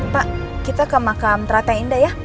pak kita ke makam teratai indah ya